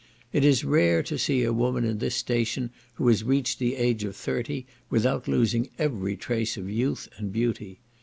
It is rare to see a woman in this station who has reached the age of thirty, without losing every trace of youth and beauty.